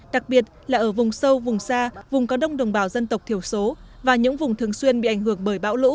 đặc biệt là ở vùng sâu vùng xa vùng có đông đồng bào dân tộc thiểu số và những vùng thường xuyên bị ảnh hưởng bởi bão lũ